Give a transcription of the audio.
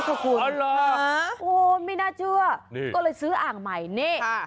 ขอคุณอ่าล่ะอ่าโอ้โหไม่น่าเชื่อนี่ก็เลยซื้ออ่างใหม่นี่ค่ะ